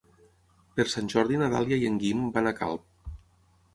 Per Sant Jordi na Dàlia i en Guim van a Calp.